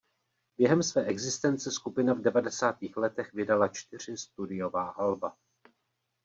Během své existence skupina v devadesátých letech vydala čtyři studiová alba.